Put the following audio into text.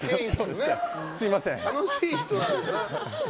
すみません。